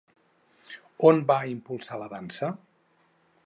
On va impulsar la dansa?